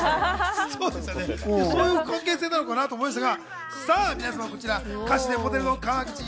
そういう関係性なのかなと思いましたが。